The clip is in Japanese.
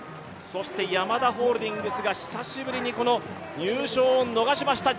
そしてヤマダホールディングスが久しぶりに入賞を逃しました。